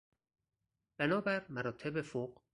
بنابر مراتب فوق...